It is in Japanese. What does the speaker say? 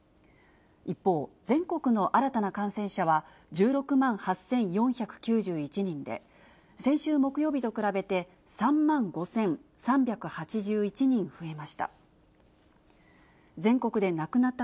一方、全国の新たな感染者は１６万８４９１人で、先週木曜日と比べて、３万５３８１人増えました。